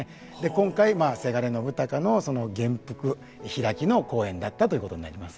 今回せがれ信朗の元服「披き」の公演だったということになります。